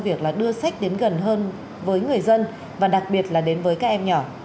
và đặc biệt là đến với các em nhỏ